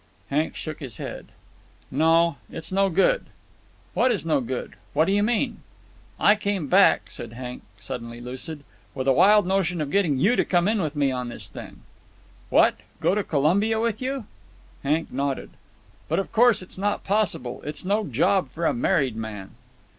Hank shook his head. "No, it's no good." "What is no good? What do you mean?" "I came back," said Hank, suddenly lucid, "with a wild notion of getting you to come in with me on this thing." "What! Go to Colombia with you?" Hank nodded. "But, of course, it's not possible. It's no job for a married man."